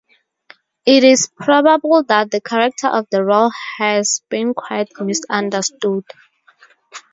It is probable that the character of the roll has been quite misunderstood.